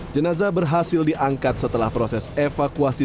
jenazah berhasil diangkat setelah proses evakuasi